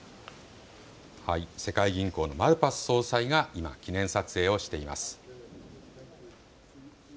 世界銀行のマルパス総裁が今、記念撮影をしています。